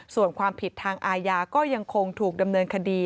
ส่วนความผิดทางอาญาก็ยังคงถูกดำเนินคดี